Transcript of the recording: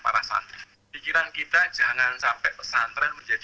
pada saat ini pesantren tidak bisa berkumpul di masyarakat